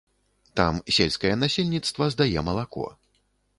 Там сельскае насельніцтва здае малако.